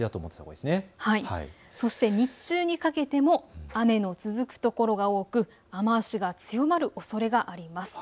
そして日中にかけて雨の続く所が多く雨足が強まるおそれがあります。